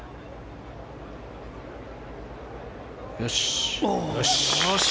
よし！